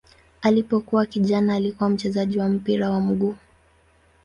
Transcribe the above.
Alipokuwa kijana alikuwa mchezaji wa mpira wa miguu.